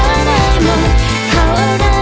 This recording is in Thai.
แควไม่เคยลงตลาด